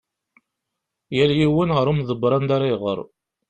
Yal yiwen ɣer umdebber anda ara iɣer.